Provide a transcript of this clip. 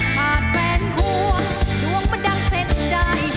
ผ่านแฟนห่วงดวงมันดังเสร็จได้